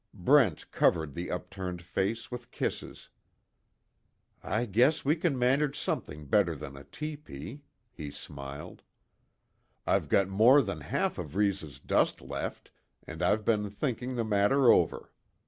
Brent covered the upturned face with kisses: "I guess we can manage something better than a tepee," he smiled. "I've got more than half of Reeves' dust left, and I've been thinking the matter over.